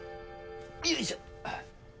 よいしょ。